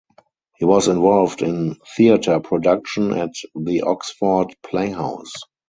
He was involved in theatre production at the Oxford Playhouse.